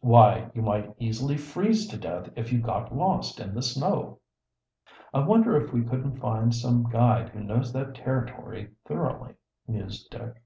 Why, you might easily freeze to death if you got lost in the snow." "I wonder if we couldn't find some guide who knows that territory thoroughly," mused Dick.